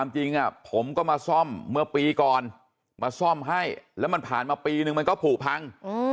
จริงผมก็มาซ่อมเมื่อปีก่อนมาซ่อมให้แล้วมันผ่านมาปีนึงมันก็ผูกพัง